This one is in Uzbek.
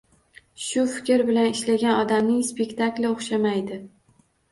Shu fikr bilan ishlagan odamning spektakli o‘xshamaydi.